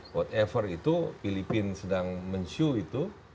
whatever itu filipina sedang mensyuh itu